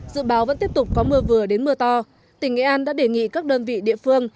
dự báo vẫn tiếp tục có mưa vừa đến mưa to tỉnh nghệ an đã đề nghị các đơn vị địa phương